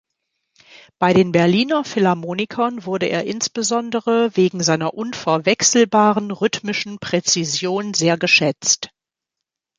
Bei den Berliner Philharmonikern wurde er insbesondere wegen seiner unverwechselbaren rhythmischen Präzision sehr geschätzt.